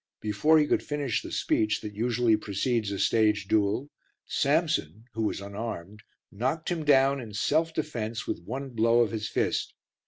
Before he could finish the speech that usually precedes a stage duel, Samson, who was unarmed, knocked him down in self defence with one blow of his fist.